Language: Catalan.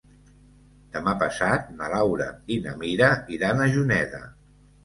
Demà passat na Laura i na Mira iran a Juneda.